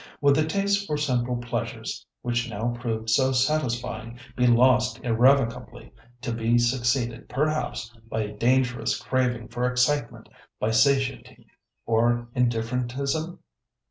Would the taste for simple pleasures, which now proved so satisfying, be lost irrevocably, to be succeeded, perhaps, by a dangerous craving for excitement, by satiety or indifferentism?